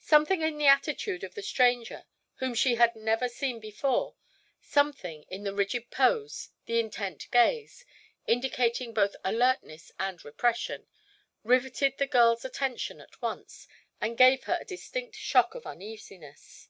Something in the attitude of the stranger, whom she had never seen before, something in the rigid pose, the intent gaze indicating both alertness and repression riveted the girl's attention at once and gave her a distinct shock of uneasiness.